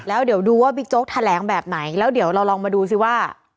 แล้วเดี๋ยวดูว่าบิ๊กโจ๊กแถลงแบบไหนแล้วเดี๋ยวเราลองมาดูสิว่า